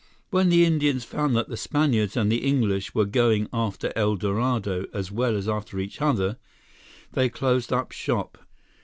When the Indians found that the Spaniards and the English were going after El Dorado as well as after each other, they closed up shop.